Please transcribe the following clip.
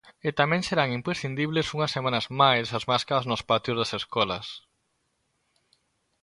E tamén serán imprescindibles unhas semanas máis as máscaras nos patios das escolas.